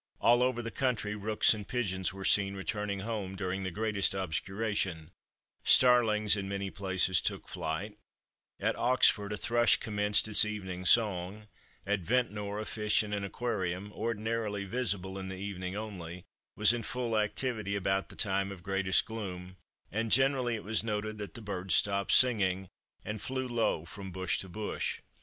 All over the country rooks and pigeons were seen returning home during the greatest obscuration; starlings in many places took flight; at Oxford a thrush commenced its evening song; at Ventnor a fish in an aquarium, ordinarily visible in the evening only, was in full activity about the time of greatest gloom; and generally, it was noted that the birds stopped singing and flew low from bush to bush.